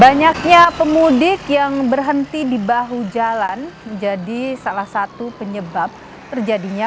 banyaknya pemudik yang berhenti di bahu jalan menjadi salah satu penyebab terjadinya